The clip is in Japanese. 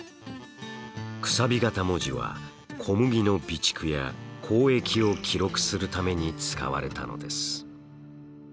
楔形文字は小麦の備蓄や交易を記録するために使われたのです。